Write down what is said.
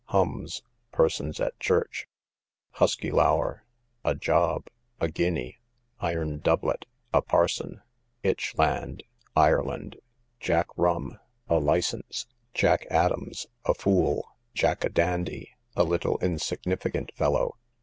Hums, persons at church. Huskylour, a job, a guinea. Iron doublet, a parson. Itchland, Ireland. Jackrum, a licence. Jack Adams, a fool. Jack a dandy, a little insignificant fellow.